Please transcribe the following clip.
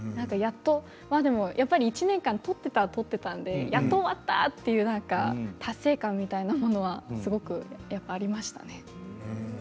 やっぱり１年間撮っていてやっと終わったという達成感というものはすごくありましたね。